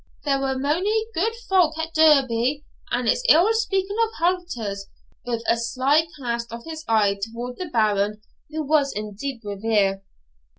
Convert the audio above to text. There were mony good folk at Derby; and it's ill speaking of halters' with a sly cast of his eye toward the Baron, who was in a deep reverie.